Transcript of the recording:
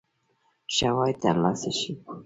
شواهد تر لاسه شي.